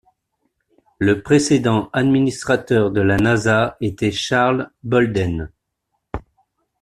Le précédent administrateur de la Nasa était Charles Bolden.